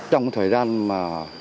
trong thời gian mà